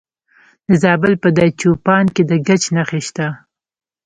د زابل په دایچوپان کې د ګچ نښې شته.